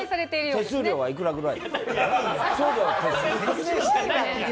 送料、手数料はいくらぐらい？